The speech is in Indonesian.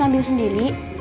aku ambil sendiri